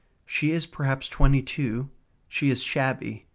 She is perhaps twenty two. She is shabby.